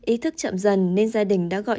ý thức chậm dần nên gia đình đã gọi